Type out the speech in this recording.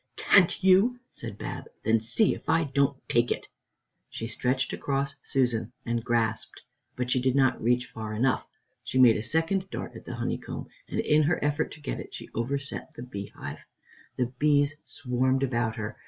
"Can't you?" said Bab, "then see if I don't take it." She stretched across Susan and grasped, but she did not reach far enough. She made a second dart at the honeycomb and, in her effort to get it, she overset the beehive. The bees swarmed about her.